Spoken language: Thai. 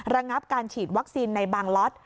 ระงับการฉีดวัคซีนในบางล็อต